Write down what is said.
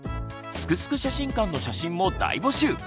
「すくすく写真館」の写真も大募集。